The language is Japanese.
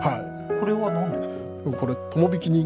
これは何ですか？